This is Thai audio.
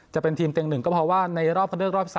จะเป็นทีมเต็ง๑ก็เพราะว่าในรอบคันเลือกรอบ๓